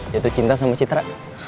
yaitu cinta sama citra